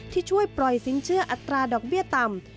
ช่วยปล่อยสินเชื่ออัตราดอกเบี้ยต่ำ